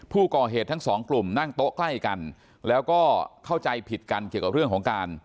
ผู้ก่อเหตุทั้งสองกลุ่มนั่งโต๊ะใกล้กันแล้วก็เข้าใจผิดกันเกี่ยวกับเรื่องของการ